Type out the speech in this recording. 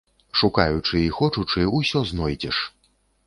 Шукаючы і хочучы, усё знойдзеш.